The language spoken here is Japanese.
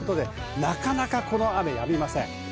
なかなか雨がやみません。